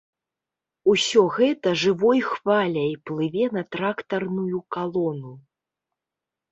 Усё гэта жывой хваляй плыве на трактарную калону.